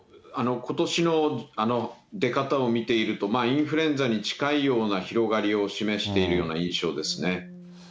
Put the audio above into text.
ことしの出方を見ていると、インフルエンザに近いような広がりを示しているような印象ですね。